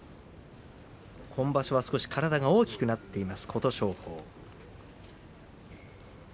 今場所は少し体が大きくなっています、琴勝峰。